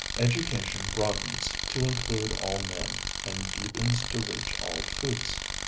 Education broadens to include all men, and deepens to reach all truths.